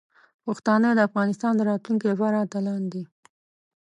پښتانه د افغانستان د راتلونکي لپاره اتلان دي.